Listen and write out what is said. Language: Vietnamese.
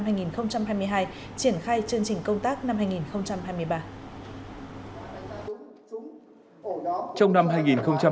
triển khai chương trình công tác năm hai nghìn hai mươi ba